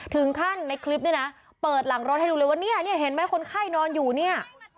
ถึงขั้นในคลิปเนี่ยนะเปิดหลังรถให้ดูเลยว่าเนี่ยเห็นไหมคนไข้นอนอยู่เนี่ย